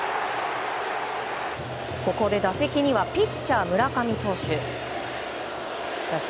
ここで打席にはピッチャー、村上投手。